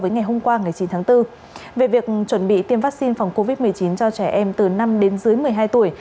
với ngày hôm qua ngày chín tháng bốn về việc chuẩn bị tiêm vaccine phòng covid một mươi chín cho trẻ em từ năm đến dưới một mươi hai tuổi